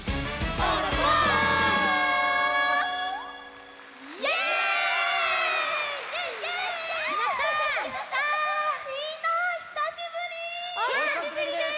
おひさしぶりです！